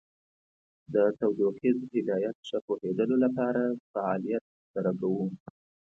د تودوخیز هدایت ښه پوهیدلو لپاره فعالیت تر سره کوو.